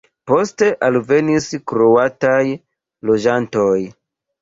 Poste alvenis kroataj loĝantoj.